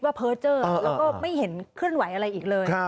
เพอร์เจอร์แล้วก็ไม่เห็นเคลื่อนไหวอะไรอีกเลย